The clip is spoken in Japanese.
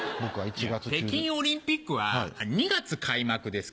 いや北京オリンピックは２月開幕ですから。